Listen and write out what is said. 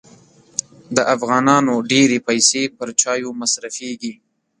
د افغانانو ډېري پیسې پر چایو مصرفېږي.